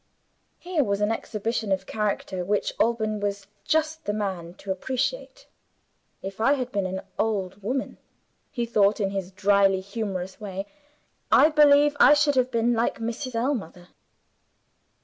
Here was an exhibition of character which Alban was just the man to appreciate. "If I had been an old woman," he thought in his dryly humorous way, "I believe I should have been like Mrs. Ellmother.